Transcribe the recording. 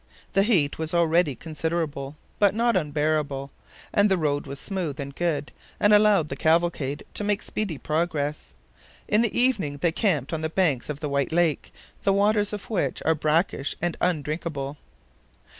The heat was already considerable, but not unbearable, and the road was smooth and good, and allowed the cavalcade to make speedy progress. In the evening they camped on the banks of the White Lake, the waters of which are brackish and undrinkable.